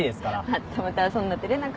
まったまたそんな照れなくても。